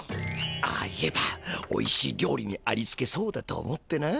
ああ言えばおいしい料理にありつけそうだと思ってな。